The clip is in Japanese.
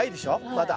まだ。